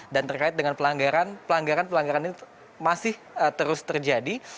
dan terkait dengan pelanggaran pelanggaran pelanggaran ini masih terus terjadi